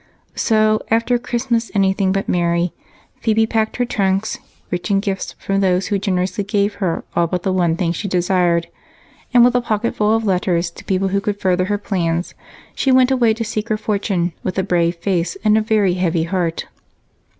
So, after a Christmas anything but merry, Phebe packed her trunks, rich in gifts from those who generously gave her all but the one thing she desired, and, with a pocketful of letters to people who could further her plans, she went away to seek her fortune, with a brave face and a very heavy heart.